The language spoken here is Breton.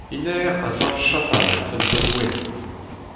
Hennezh a sav chatal er Feunteun Wenn.